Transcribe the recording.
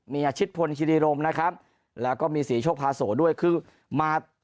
มีอาชิตพลคิริรมนะครับแล้วก็มีศรีโชคพาโสด้วยคือมา